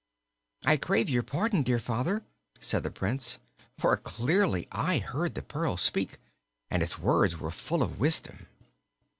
"I crave your pardon, dear father," said the Prince, "for clearly I heard the pearl speak, and its words were full of wisdom."